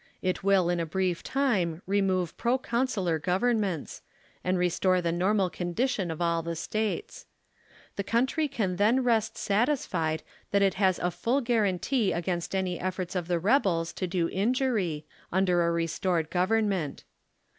It will in a brief time remove pro consular governments, and restore the normal condition of all the States. The coun try can then rest satisfied that it has a full guaranty against any efforts of the rebels to do injury, under a restored government.